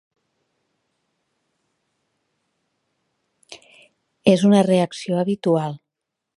És una reacció habitual.